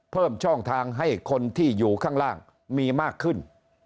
เพิ่มช่องทางให้คนที่อยู่ข้างล่างมีมากขึ้น